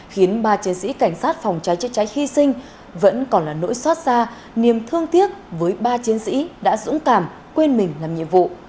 khiến ba chiến sĩ cảnh sát phòng cháy chữa cháy hy sinh vẫn còn là nỗi xót xa niềm thương tiếc với ba chiến sĩ đã dũng cảm quên mình làm nhiệm vụ